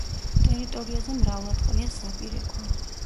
ტერიტორიაზე მრავლად ყრია საპირე ქვა.